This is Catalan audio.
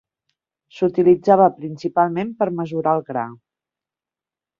S'utilitzava principalment per mesurar el gra.